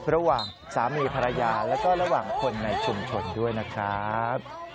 ระหว่างสามีภรรยาแล้วก็ระหว่างคนในชุมชนด้วยนะครับ